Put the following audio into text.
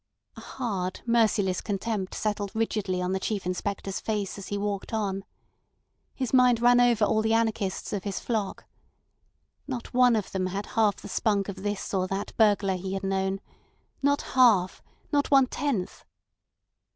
A hard, merciless contempt settled rigidly on the Chief Inspector's face as he walked on. His mind ran over all the anarchists of his flock. Not one of them had half the spunk of this or that burglar he had known. Not half—not one tenth.